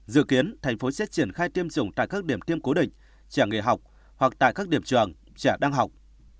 dự kiến thành phố sẽ triển khai tiêm chủng tại các điểm tiêm cố định trẻ nghề học hoặc tại các điểm trường trẻ đang học